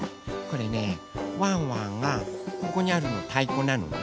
これねワンワンがここにあるのたいこなのね。